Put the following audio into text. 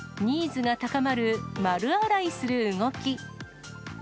ニーズが高まる、丸洗いする動き。